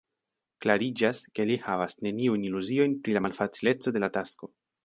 Klariĝas, ke li havas neniujn iluziojn pri la malfacileco de la tasko.